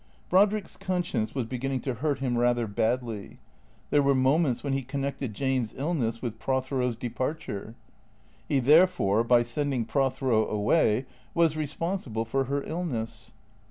Brodrick's conscience was beginning to hurt him rather badly. There were moments when he connected Jane's illness with Prothero's departure. He, therefore, by sending Prothero away, was responsible for her illness.